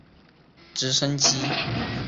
福建省泉州市德化县工人。